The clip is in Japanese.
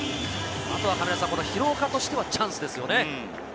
あとは廣岡としてはチャンスですね。